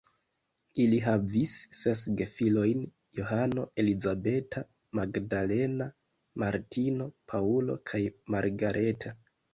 Ili havis ses gefilojn: Johano, Elizabeta, Magdalena, Martino, Paŭlo kaj Margareta.